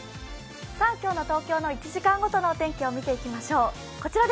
今日の東京の１時間ごとのお天気を見ていきましょう。